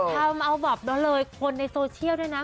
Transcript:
ถ้ามาเอาบอบเราเลยคนในโซเชียลด้วยนะ